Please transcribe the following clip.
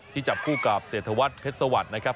จับคู่กับเศรษฐวัฒนเพชรสวัสดิ์นะครับ